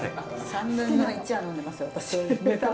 ３分の１は呑んでますよ私。